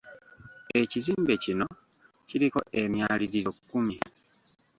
Ekizimbe kino kiriko emyaliriro kkumi.